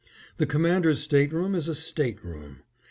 The Commander's stateroom is a state room.